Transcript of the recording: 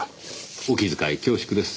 お気遣い恐縮です。